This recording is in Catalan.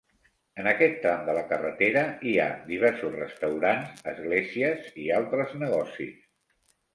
En aquest tram de la carretera hi ha diversos restaurants, esglésies i altres negocis.